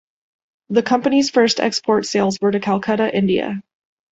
The Company's first export sales were to Calcutta, India.